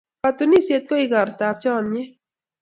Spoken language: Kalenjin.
Katunisyet ko igortab chomnyet.